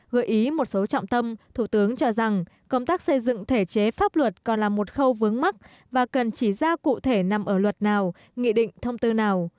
gợi ý một số trọng tâm thủ tướng cho rằng công tác xây dựng thể chế pháp luật còn là một khâu vướng mắt và cần chỉ ra cụ thể nằm ở luật nào nghị định thông tư nào